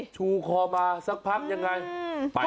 ชูคอมาสักพักอย่างไร